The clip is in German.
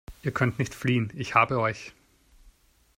Ihr könnt nicht fliehen. Ich habe euch!